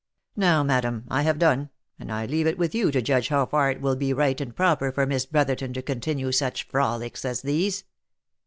Now, madam, I have done, and I leave it with you to judge how far it will be right and proper for Miss Brotherton to continue such frolics as these."